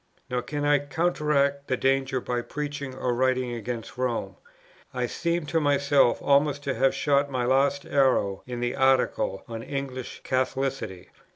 "Nor can I counteract the danger by preaching or writing against Rome. I seem to myself almost to have shot my last arrow in the Article on English Catholicity.